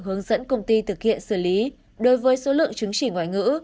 hướng dẫn công ty thực hiện xử lý đối với số lượng chứng chỉ ngoại ngữ